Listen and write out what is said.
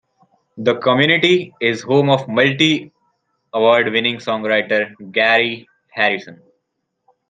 The community is home of multi-award winning songwriter Gary Harrison.